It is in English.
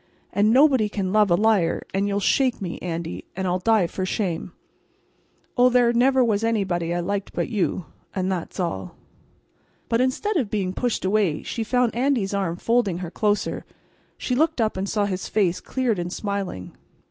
And nobody can love a liar, and you'll shake me, Andy, and I'll die for shame. Oh, there never was anybody I liked but you—and that's all." But instead of being pushed away, she found Andy's arm folding her closer. She looked up and saw his face cleared and smiling.